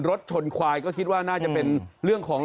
รถชนควายก็คิดว่าน่าจะเป็น